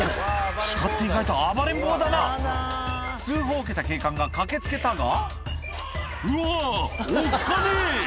鹿って意外と暴れん坊だな通報を受けた警官が駆け付けたが「うわおっかねえ！」